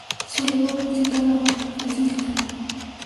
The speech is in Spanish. Su legado musical abarca el clasicismo.